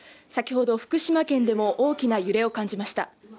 先ほど福島県でも大きな揺れを感じました